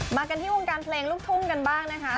มากันที่วงการเพลงลูกทุ่งกันบ้างนะคะ